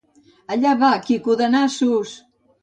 Allà va Quico de nassos!